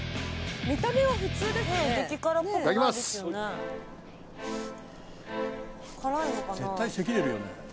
見た目は普通ですね。